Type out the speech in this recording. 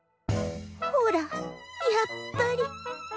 ほらやっぱり。